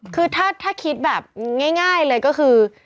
คือถ้าคิดแบบง่ายเลยก็คือ